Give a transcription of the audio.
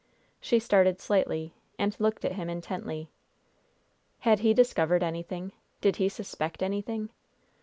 She started slightly, and looked at him intently. Had he discovered anything? Did he suspect anything?